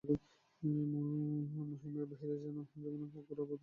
মহিমের বাহিরের ব্যবহার যেমনি হউক, গোরার প্রতি তাঁহার এক প্রকারের স্নেহ ছিল।